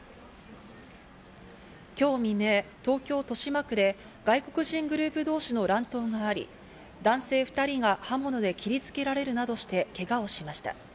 今日未明、東京・豊島区で外国人グループ同士の乱闘があり、男性２人が刃物で切りつけられるなどしてけがをしました。